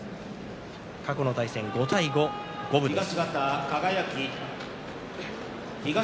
過去の対戦は５対５、五分です。